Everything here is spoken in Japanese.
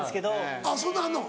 そんなんあんの？